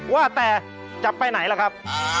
ว่าแต่จะไปไหนล่ะครับ